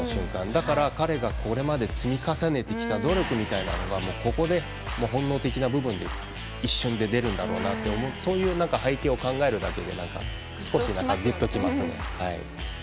だから彼がこれまで積み重ねてきた努力みたいなものがここで本能的な部分で一瞬で出るんだろうなとそういう背景を考えるだけで少し、グッときますね。